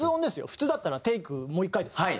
普通だったらテイクもう１回ですよ